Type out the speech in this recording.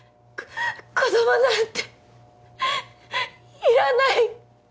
子供なんていらない！